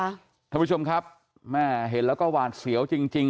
ท่านผู้ชมครับแม่เห็นแล้วก็หวาดเสียวจริงจริง